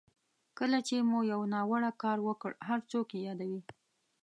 کله چې مو یو ناوړه کار وکړ هر څوک یې یادوي.